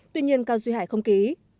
tuy nhiên cao duy hải không ký